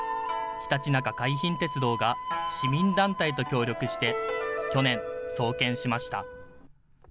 ひたちなか海浜鉄道が市民団体と協力して、去年、創建しました。